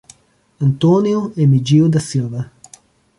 Antônio Emidio da Silva